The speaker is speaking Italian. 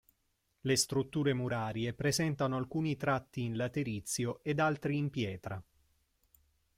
Le strutture murarie presentano alcuni tratti in laterizio ed altri in pietra.